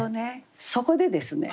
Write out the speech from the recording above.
そこでですね